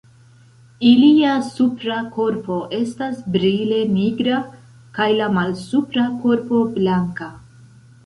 Ilia supra korpo estas brile nigra kaj la malsupra korpo blanka.